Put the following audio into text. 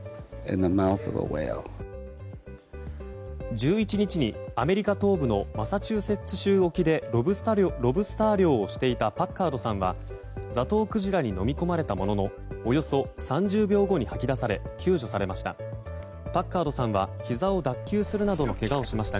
１１日にアメリカ東部のマサチューセッツ州沖でロブスター漁をしていたパッカードさんはザトウクジラに飲み込まれたもののおよそ３０秒後に吐き出され救助されました。